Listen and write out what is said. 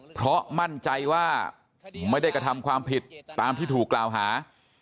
เพราะมั่นใจว่าไม่ได้กระทำความผิดตามที่ถูกกล่าวหา